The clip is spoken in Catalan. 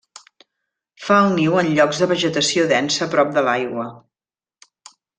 Fa el niu en llocs de vegetació densa prop de l'aigua.